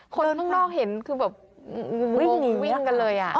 คนข้างนอกเห็นคือแบบวิ่งกันเลย